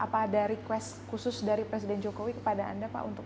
apa ada request khusus dari presiden jokowi kepada anda pak